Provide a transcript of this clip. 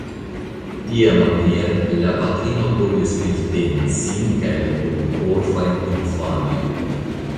Tiamaniere la patrino povis vivteni sin kaj la duonorfajn infanojn.